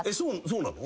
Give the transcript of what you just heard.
そうなの？